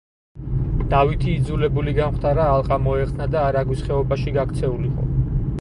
დავითი იძულებული გამხდარა ალყა მოეხსნა და არაგვის ხეობაში გაქცეულიყო.